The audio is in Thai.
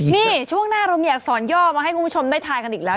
นี่ช่วงหน้าเรามีอักษรย่อมาให้คุณผู้ชมได้ทายกันอีกแล้ว